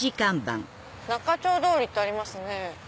「仲町通り」ってありますね。